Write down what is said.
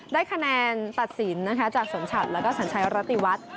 ได้คะแนนตัดสินนะคะจากสมชัดแล้วก็สัญชัยรติวัฒน์